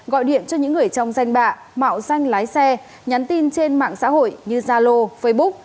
gọi điện cho những người trong danh bạ mạo danh lái xe nhắn tin trên mạng xã hội như zalo facebook